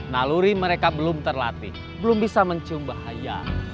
naluri mereka belum terlatih belum bisa mencium bahaya